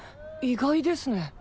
意外ですね。